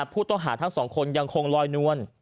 ผู้ต้องหาทั้งสองคนยังคงลอยนวล